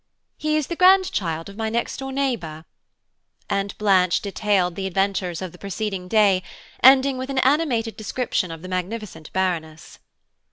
"He is the grandchild of my next door neighbour," and Blanche detailed the adventures of the preceding day, ending with an animated description of the magnificent Baroness.